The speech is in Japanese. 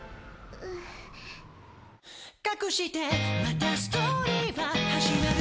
「かくしてまたストーリーは始まる」